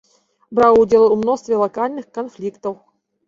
Браў удзел у мностве лакальных канфліктаў.